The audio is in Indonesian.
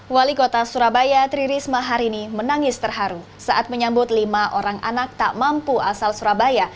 wali kota surabaya tri risma hari ini menangis terharu saat menyambut lima orang anak tak mampu asal surabaya